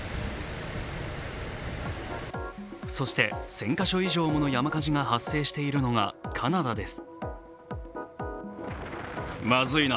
そして１０００か所以上もの山火事が発生しているのがカナダです。